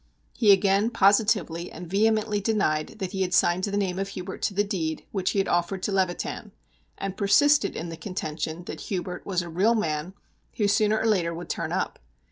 He again positively and vehemently denied that he had signed the name of Hubert to the deed which he had offered to Levitan, and persisted in the contention that Hubert was a real man, who sooner or later would turn up.